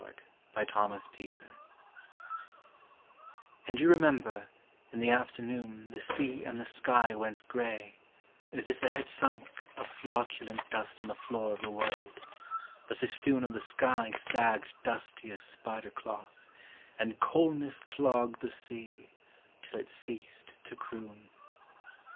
COLDNESS IN LOVE And you remember, in the afternoon The sea and the sky went grey, as if there had sunk A flocculent dust on the floor of the world: the festoon Of the sky sagged dusty as spider cloth, And coldness clogged the sea, till it ceased to croon.